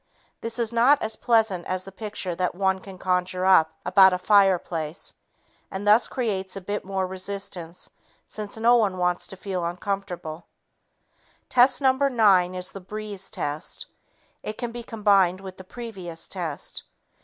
This is not as pleasant as the picture that one can conjure up about a fireplace and thus creates a bit more resistance since no one wants to feel uncomfortable. Test No. 9 is the "breeze" test. It can be combined with the previous test.